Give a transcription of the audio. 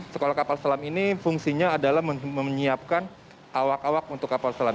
sekolah kapal selam ini fungsinya adalah menyiapkan awak awak untuk kapal selam